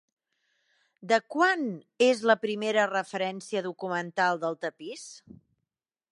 De quant és la primera referència documental del tapís?